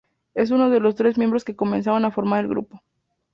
Es uno de los tres miembros que comenzaron a formar el grupo.